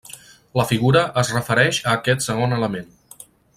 La figura es refereix a aquest segon element.